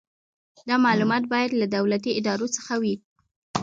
دا معلومات باید له دولتي ادارو څخه وي.